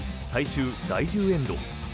最終第１０エンド。